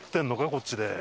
こっちで。